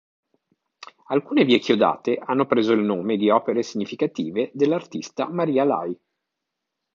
Alcune vie chiodate hanno preso il nome di opere significative dell'artista Maria Lai.